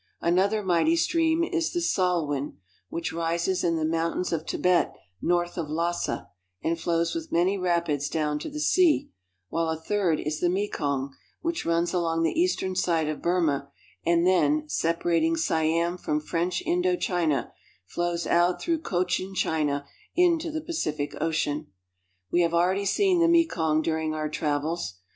Another mighty stream is the Salwin, which rises in the mountains of Tibet north of Lassa (las'a) and flows with many rapids down to the sea, while a third is the Mekong, which runs along the eastern side of Burma, and then, separating Siam from French Indo China, flows out through Cochin China into the Pacific Ocean. We have already seen the Mekong during our travels.